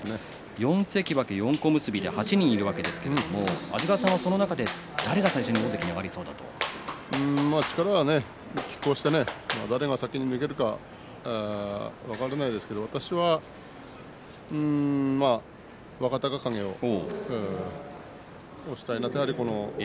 ４関脇４小結で８人いるわけですが安治川さんもその中で誰が最初に力はきっ抗して誰が先に抜けるか分からないですけれど私は若隆景を推したいなと。